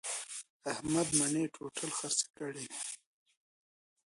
احمد مڼې ټوټل خرڅې کړلې.